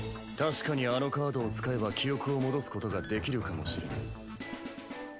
確かにあのカードを使えば記憶を戻すことができるかもしれない。